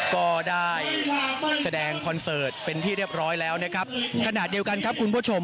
ก็ได้แสดงคอนเสิร์ตเป็นที่เรียบร้อยแล้วนะครับขณะเดียวกันครับคุณผู้ชม